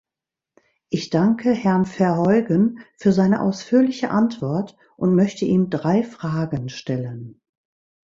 Ich danke Herrn Verheugen für seine ausführliche Antwort und möchte ihm drei Fragen stellen.